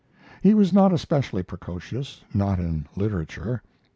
He was not especially precocious not in literature.